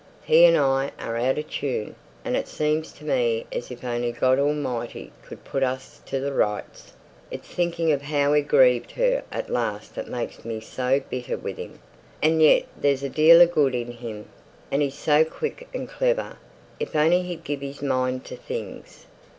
He and I are out of tune, and it seems to me as if only God Almighty could put us to rights. It's thinking of how he grieved her at last that makes me so bitter with him. And yet there's a deal of good in him! and he's so quick and clever, if only he'd give his mind to things.